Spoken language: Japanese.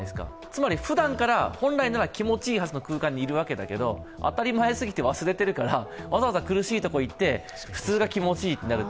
つまり本来、ふだんから気持ちいい空間にいるのに当たり前すぎて忘れてるからわざわざ苦しいところへ行って普通が気持ちいいとなる。